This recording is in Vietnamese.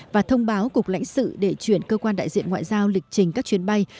và thông báo cục lãnh sự để chuyển cơ quan đại diện ngoại giao lịch trình các chuyến bay